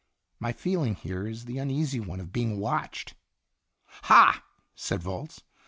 My feeling here is the uneasy one of being watched." "Ha!" said Volz.